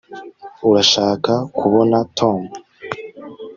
urashaka kubona tom